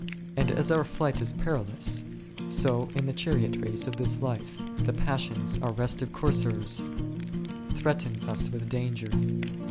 And as our flight is perilous, so in the chariot race of this life, the passions, our restive coursers, threaten us with danger.